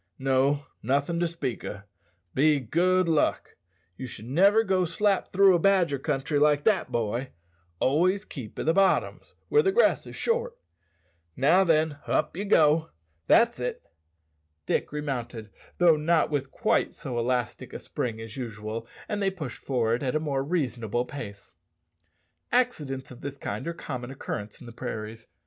No, nothin' to speak o', be good luck. Ye should niver go slap through a badger country like that, boy; always keep i' the bottoms, where the grass is short. Now then, up ye go. That's it!" Dick remounted, though not with quite so elastic a spring as usual, and they pushed forward at a more reasonable pace. Accidents of this kind are of common occurrence in the prairies.